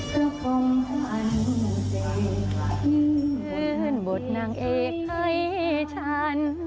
เธอคงพันเจ้าหลังขึ้นบทนางเอกให้ฉัน